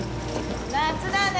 夏だね。